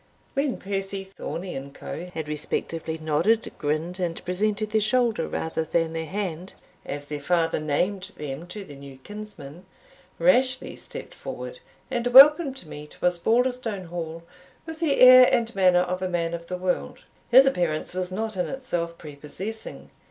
When Percie, Thornie, and Co. had respectively nodded, grinned, and presented their shoulder rather than their hand, as their father named them to their new kinsman, Rashleigh stepped forward, and welcomed me to Osbaldistone Hall, with the air and manner of a man of the world. His appearance was not in itself prepossessing.